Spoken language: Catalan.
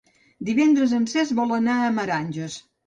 Divendres en Cesc vol anar a Meranges.